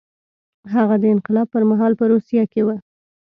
هغه د انقلاب پر مهال په روسیه کې و.